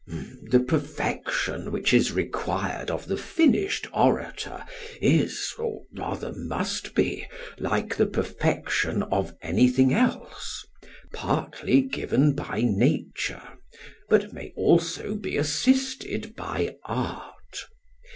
SOCRATES: The perfection which is required of the finished orator is, or rather must be, like the perfection of anything else; partly given by nature, but may also be assisted by art.